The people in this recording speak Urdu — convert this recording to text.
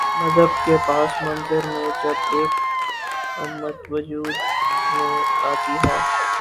مذہب کے پس منظر میں جب ایک امت وجود میں آتی ہے۔